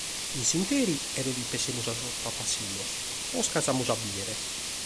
In s’ìnteri cheret chi pensemus a sos pabassinos, posca amus a bìdere.